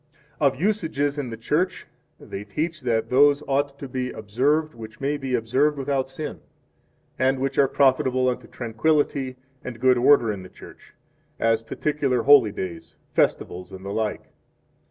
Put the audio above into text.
1 Of Usages in the Church they teach that those ought to be observed which may be observed without sin, and which are profitable unto tranquillity and good order in the Church, as particular holy days, festivals, and the like.